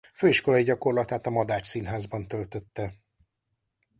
Főiskolai gyakorlatát a Madách Színházban töltötte.